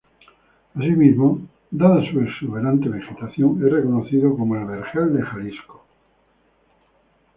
Así mismo, dada su exuberante vegetación, es reconocido como "El Vergel de Jalisco".